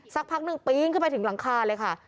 สักพักหนึ่งปีนขึ้นไปถึงหลังคาเลยค่ะ